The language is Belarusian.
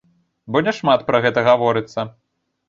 Бо няшмат пра гэта гаворыцца.